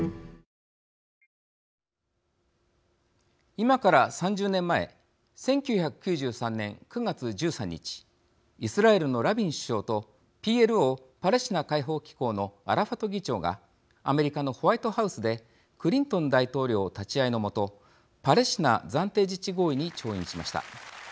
今から３０年前１９９３年９月１３日イスラエルのラビン首相とＰＬＯパレスチナ解放機構のアラファト議長がアメリカのホワイトハウスでクリントン大統領立ち会いのもとパレスチナ暫定自治合意に調印しました。